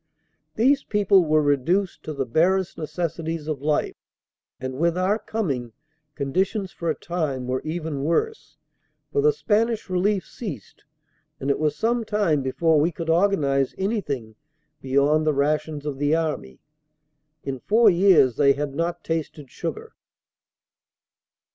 These people were reduced to the barest necessities of life, and with our coming conditions for a time were even worse, for the Spanish Relief ceased and it was some time before we could organize anything beyond the rations of the Army. In four years they had not tasted sugar.